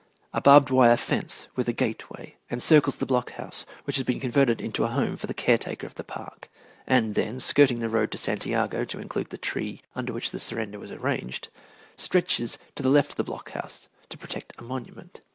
A barbed wire fence, with a gateway, encircles the block house, which has been converted into a home for the caretaker of the park, and then, skirting the road to Santiago to include the tree under which the surrender was arranged, stretches to the left of the block house to protect a monument.